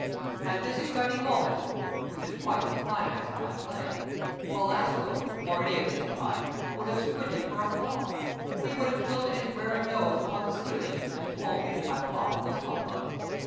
At this exciting moment (which is quite the climax of my play) Belasco or any of his kind would have squinted for a flaw. He would have tilted his wary nose upon the ceiling and told me that my plot was humbug.